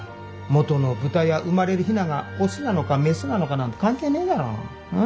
元の豚や生まれるヒナがオスなのかメスなのかなんて関係ねえだろう。